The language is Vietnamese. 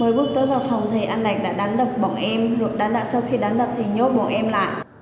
rồi đánh đạp sau khi đánh đập thì nhốt bọn em lại